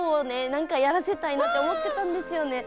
何かやらせたいなって思ってたんですよね。